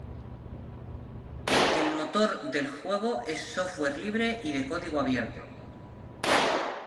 El motor del juego es software libre y de código abierto.